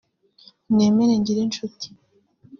Mwemere Ngirishuti